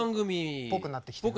っぽくなってきたよね。